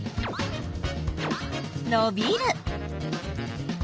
のびる。